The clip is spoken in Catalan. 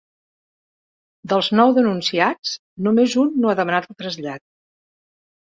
Dels nou denunciats només un no ha demanat el trasllat.